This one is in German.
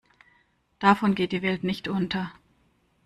Davon geht die Welt nicht unter.